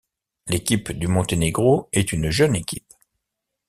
L'équipe du Monténégro est une jeune équipe.